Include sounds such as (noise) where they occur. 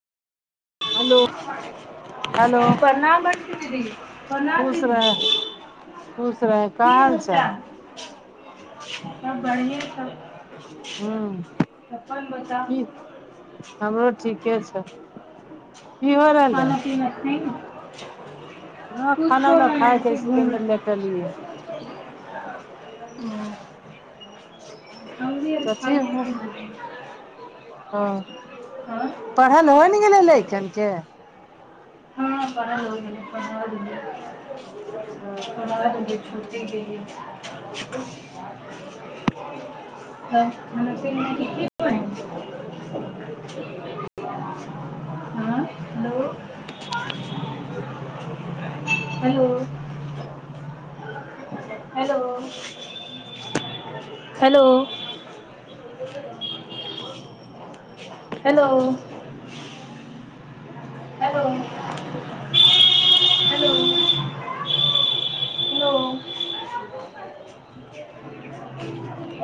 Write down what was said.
hello hello प्रणाम बरकी दीदी प्रणाम खुश दीदी रह खुश रहै का हाल चाल सभ बढ़ियाँ हूँ अप्पन बताउ की हमरो ठीके छै की हो रहलै खाना पीना खेलही हाँ खाना उना खायके लेटलियै कथी (unintelligible) ह हँ पढ़ल होइ ने गेलै लैकन के हँ पढ़ल हो गेल पढ़ दलिये पढ़ दलिये (unintelligible) (unintelligible) नै (unintelligible) हँ hello hello hello hello hello hello hello hello